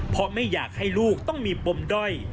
เพราะไม่อยากให้ลูกต้องมีปมด้อย